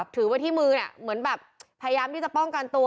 ถือไว้ที่มือเนี่ยเหมือนแบบพยายามที่จะป้องกันตัว